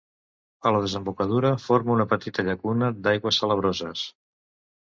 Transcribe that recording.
A la desembocadura forma una petita llacuna d'aigües salabroses.